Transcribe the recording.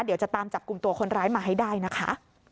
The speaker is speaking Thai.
เดี๋ยวจะตามจับกลุ่มตัวคนร้ายมาให้ได้นะคะ